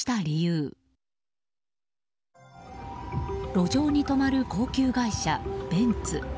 路上に止まる高級外車ベンツ。